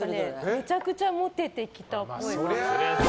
めちゃくちゃモテてきたっぽい。